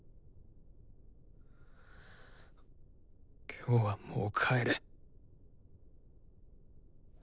今日はもう帰れ。